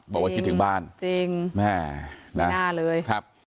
บอกว่าคิดถึงบ้านจริงแม่ไม่น่าเลยครับ